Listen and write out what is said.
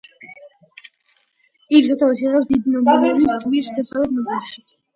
იგი სათავეს იღებს დიდი მონების ტბის დასავლეთ ნაწილში.